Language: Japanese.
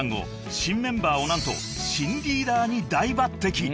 ［新メンバーを何と新リーダーに大抜てき］